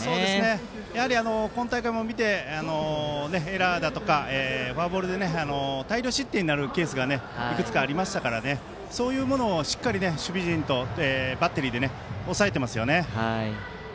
やはり今大会も見ててエラーだとかフォアボールで大量失点になるケースがいくつかありましたからそういうものを守備陣とバッテリーで抑えていますよね。